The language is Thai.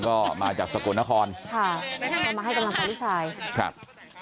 ก็มาจากสกลนครค่ะก็มาให้กำลังใจลูกชายครับ